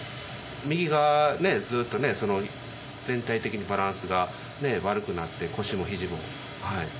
右がずっと全体的にバランスが悪くなって腰も肘も。